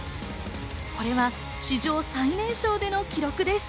これは史上最年少での記録です。